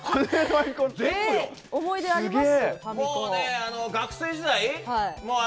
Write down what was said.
思い出あります？